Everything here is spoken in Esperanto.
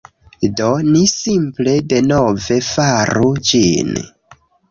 Do, ni simple denove faru ĝin